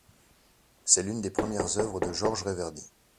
C'est l'une des premières œuvres de Georges Reverdy.